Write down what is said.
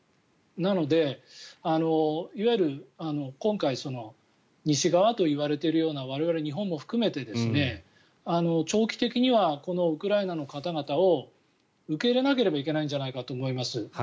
なので、いわゆる、今回西側と言われているような我々、日本も含めて長期的にはこのウクライナの方々を受け入れなければいけないんじゃないかと思います。